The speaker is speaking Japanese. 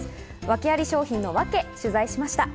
ワケあり商品のワケを取材しました。